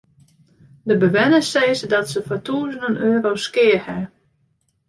De bewenners sizze dat se foar tûzenen euro's skea hawwe.